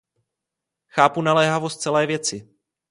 Chápu naléhavost celé věci.